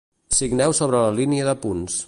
Signeu sobre la línia de punts.